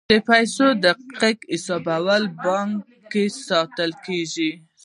د پیسو دقیق حساب په بانک کې ساتل کیږي.